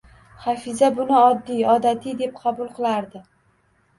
Hafiza buni oddiy, odatiy deb qabul qilardi